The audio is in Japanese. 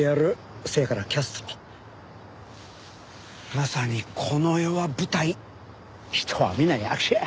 まさに「この世は舞台人はみな役者」や。